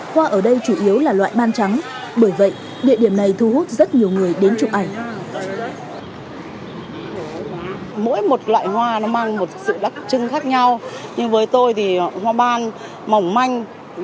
hoa ở đây chủ yếu là loại ban trắng bởi vậy địa điểm này thu hút rất nhiều người đến chụp ảnh